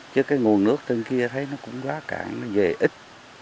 chứ cái nguồn nước trên kia thấy nó cũng quá cạn nó về ít